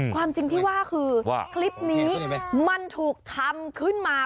ความจริงที่ว่าคือว่าคลิปนี้มันถูกทำขึ้นมา